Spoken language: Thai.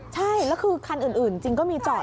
ใช่แล้วคือคันอื่นจริงก็มีจอด